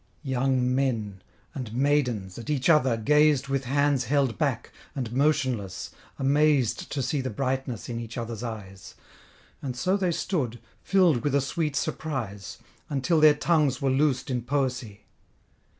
Young men, and maidens at each other gaz'd With hands held back, and motionless, amaz'd To see the brightness in each others' eyes; And so they stood, fill'd with a sweet surprise, Until their tongues were loos'd in poesy.